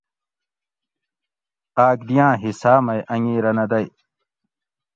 آک دیاۤں حصاۤ مئ انگیرہ نہ دئ